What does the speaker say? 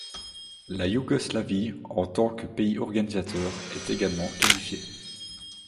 La Yougoslavie, en tant que pays organisateur, est également qualifié.